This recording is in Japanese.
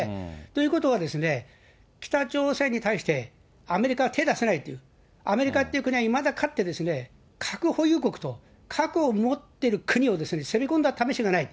ということは、北朝鮮に対して、アメリカは手出さないという、アメリカっていう国は、いまだかつて、核保有国と核を持っている国を攻め込んだためしがない、